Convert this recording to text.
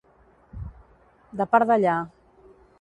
De part d'allà.